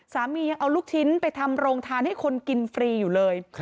ยังเอาลูกชิ้นไปทำโรงทานให้คนกินฟรีอยู่เลย